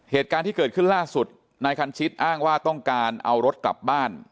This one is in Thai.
เหตุการณ์ที่เกิดขึ้นล่าสุดนายคันชิตอ้างว่าต้องการเอารถกลับบ้าน